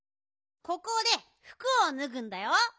ここでふくをぬぐんだよ。